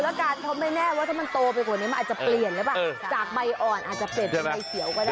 ไม่แน่หรือว่าจริงถ้าเกิดมันเป็นใบสีอ่อนมันจะไหม้ไง